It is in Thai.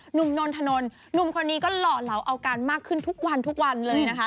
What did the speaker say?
นนทนนหนุ่มคนนี้ก็หล่อเหลาเอาการมากขึ้นทุกวันทุกวันเลยนะคะ